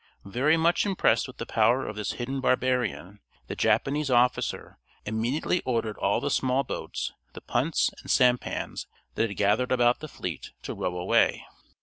Very much impressed with the power of this hidden barbarian, the Japanese officer immediately ordered all the small boats, the punts and sampans that had gathered about the fleet, to row away.